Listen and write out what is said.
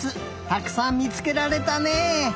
たくさんみつけられたね。